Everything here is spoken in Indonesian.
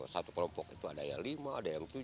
satu kelompok itu ada yang lima ada yang tujuh